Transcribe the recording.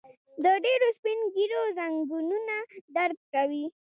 د ډيرو سپين ږيرو ځنګنونه درد کوي.